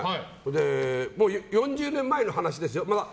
４０年前の話ですよ。